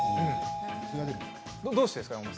どうしてですか。